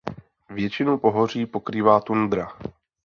Většinu pohoří pokrývá tundra.